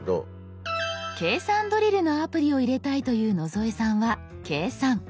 計算ドリルのアプリを入れたいという野添さんは「計算」。